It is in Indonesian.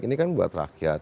ini kan buat rakyat